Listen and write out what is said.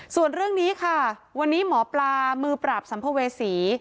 ส่วนเรื่องนี้ค่ะวันนี้หมอปลามือปราบสัมภเวษี